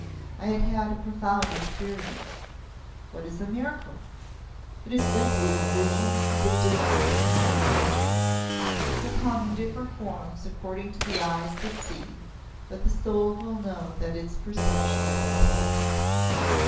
I had had a profound experience. What is a miracle? It is simply the vision of the Divine behind nature. It will come in different forms according to the eyes that see, but the soul will know that its perception is authentic.